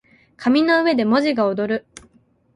紙の上で文字が躍る